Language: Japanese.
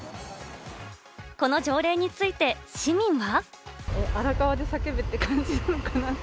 この条例について市民は。